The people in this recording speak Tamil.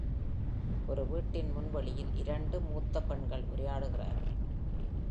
ஒரு வீட்டின் முன் வெளியில் இரண்டு மூத்த பெண்கள் உரையாடுகிறார்கள்.